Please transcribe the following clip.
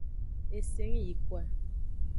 Eseyingkoa.